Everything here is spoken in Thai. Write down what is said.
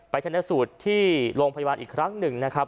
ไปทันทะสุทธิ์ที่โรงพยาบาลอีกครั้งหนึ่งนะครับ